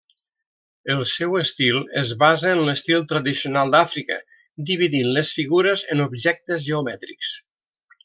El seu estil es basa en l'estil tradicional d'Àfrica, dividint les figures en objectes geomètrics.